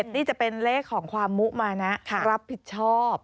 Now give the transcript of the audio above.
นี่จะเป็นเลขของความมุมานะรับผิดชอบ